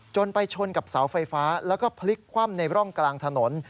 ไปชนกับเสาไฟฟ้าแล้วก็พลิกคว่ำในร่องกลางถนน